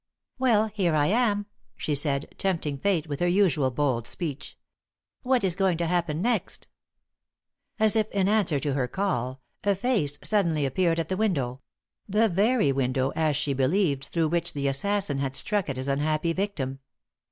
"Well, here I am!" she said, tempting Fate with her usual bold speech. "What is going to happen next?" As if in answer to her call, a face suddenly appeared at the window the very window, as she believed through which the assassin had struck at his unhappy victim.